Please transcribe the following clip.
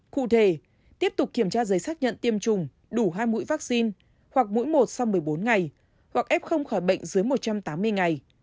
cụ thể tiếp tục kiểm tra giấy xác nhận tiêm chủng đủ hai mũi vaccine hoặc mũi một sau một mươi bốn ngày hoặc ép không khỏi bệnh dưới một trăm tám mươi ngày